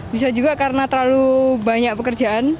bisa juga karena terlalu banyak pekerjaan